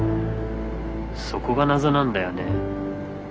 そこが謎なんだよね。